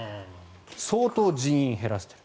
相当、人員を減らしている。